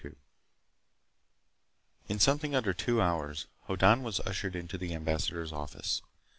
II In something under two hours Hoddan was ushered into the ambassador's office.